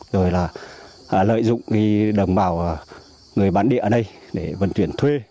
rồi lợi dụng đồng bào người bản địa ở đây để vận chuyển thuê